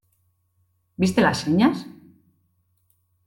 ¿Viste las señas?